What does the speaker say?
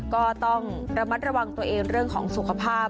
ก็ต้องระมัดระวังตัวเองเรื่องของสุขภาพ